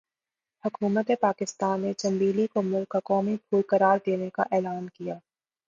حکومتِ پاکستان نے 'چنبیلی' کو ملک کا قومی پھول قرار دینے کا اعلان کیا۔